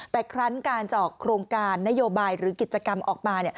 แต่ครั้งการจะออกโครงการนโยบายหรือกิจกรรมออกมา